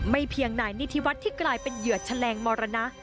เพียงนายนิธิวัฒน์ที่กลายเป็นเหยื่อแฉลงมรณะ